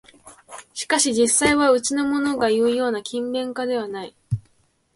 しかし実際はうちのものがいうような勤勉家ではない